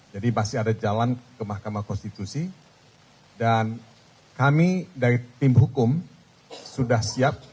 jadi masih ada jalan ke mahkamah konstitusi dan kami dari tim hukum sudah siap